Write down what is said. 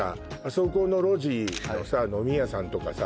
そこの路地のさ飲み屋さんとかさ